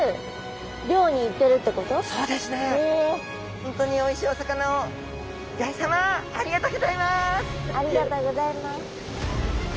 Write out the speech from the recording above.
ホントにおいしいお魚をありがとうございます。